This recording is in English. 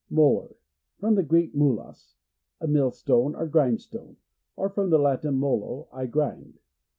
Molar. — From the Greek, mulos, a millstone or grindstone; or from the Latin, molo, I grind.